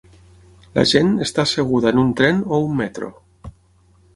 La gent està asseguda en un tren o un metro.